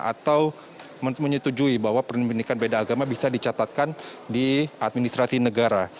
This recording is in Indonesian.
atau menyetujui bahwa pendidikan beda agama bisa dicatatkan di administrasi negara